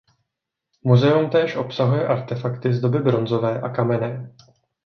Muzeum též obsahuje artefakty z doby bronzové a kamenné.